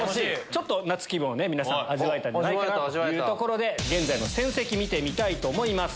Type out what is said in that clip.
ちょっと夏気分を皆さん味わえたところで現在の戦績見てみたいと思います。